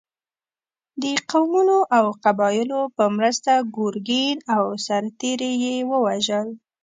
د قومونو او قبایلو په مرسته ګرګین او سرتېري یې ووژل.